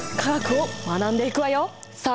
さあ